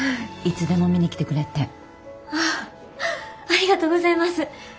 ありがとうございます。